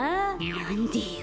なんでよ。